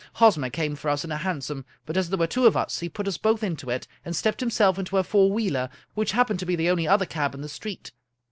Hosmer came for us in a hansom, but as there were two of us, he put us both into it, and stepped himself into a four wheeler, which hap pened to be the only other cab in the street.